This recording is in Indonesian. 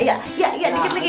iya iya dikit lagi